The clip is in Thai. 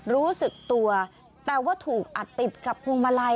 รู้สึกตัวแต่ว่าถูกอัดติดกับพวงมาลัย